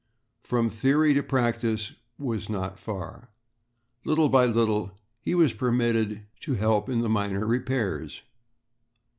From theory to practice was not far. Little by little he was permitted to help in the minor repairs.